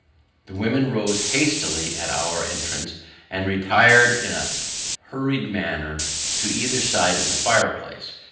The women rose hastily, on our entrance, and retired in a hurried manner to either side of the fireplace.